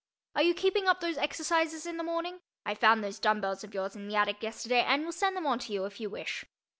Are you keeping up those exercises in the morning? I found those dumb bells of yours in the attic yesterday and will send them on to you if you wish.